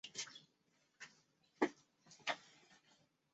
白描画法以墨线描绘物体而不着颜色。